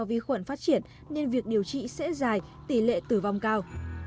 vi khuẩn phát triển nên việc điều trị sẽ dài tỷ lệ tử vong cao